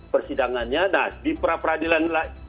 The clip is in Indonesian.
persidangannya nah di pra peradilan